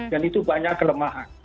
dan itu banyak kelemahan